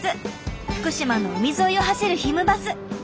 福島の海沿いを走るひむバス。